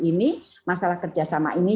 ini masalah kerjasama ini